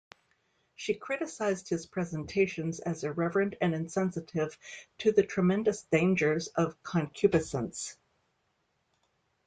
She criticized his presentations as irreverent and insensitive to the "tremendous dangers" of concupiscence.